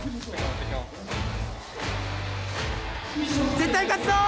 絶対勝つぞ！